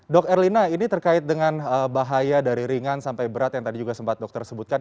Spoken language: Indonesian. dok erlina ini terkait dengan bahaya dari ringan sampai berat yang tadi juga sempat dokter sebutkan